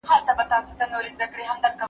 مذهب انسان ته رواني ارامتیا ورکوي.